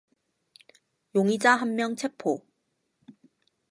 용의자 한 명 체포